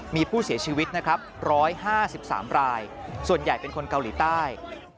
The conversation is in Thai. มีผู้เสียชีวิตนะครับ๑๕๓รายส่วนใหญ่เป็นคนเกาหลีใต้